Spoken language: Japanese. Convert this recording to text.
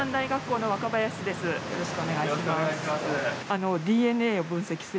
よろしくお願いします。